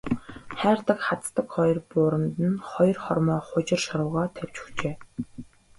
Хайрдаг хаздаг хоёр бууранд нь хоёр хормой хужир шорвогоо тавьж өгчээ.